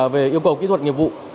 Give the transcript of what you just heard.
về yêu cầu kỹ thuật nghiệp vụ